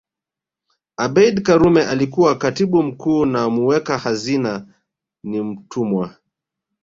Abeid Karume alikuwa Katibu mkuu na muweka hazina ni Mtumwa